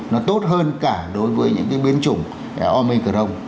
nó tốt hơn cả đối với những cái biến chủng omicron